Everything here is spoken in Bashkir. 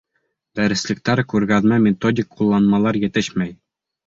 Дәреслектәр, күргәҙмә-методик ҡулланмалар етешмәй.